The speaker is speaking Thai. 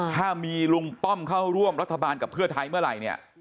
ถ้ามีลุงป้อมเข้าร่วมรัฐบาลกับเพื่อไทยเมื่อไหร่เนี่ย